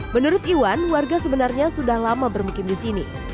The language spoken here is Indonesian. menurut iwan warga sebenarnya sudah lama bermukim di sini